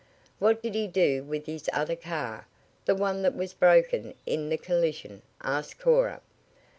"What did he do with his other car the one that was broken in the collision?" asked Cora.